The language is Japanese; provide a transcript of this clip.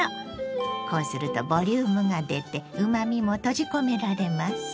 こうするとボリュームが出てうまみも閉じ込められます。